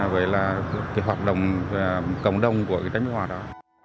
với hoạt động cộng đồng của trang bích họa đó